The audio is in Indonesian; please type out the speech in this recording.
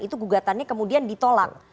itu gugatannya kemudian ditolak